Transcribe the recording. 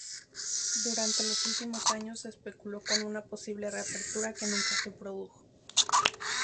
Durante los siguientes años se especuló con una posible reapertura que nunca se produjo.